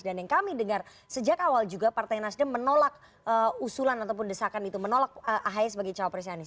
dan yang kami dengar sejak awal juga partai nasional menolak usulan ataupun desakan itu menolak ahaya sebagai cowok presnya anies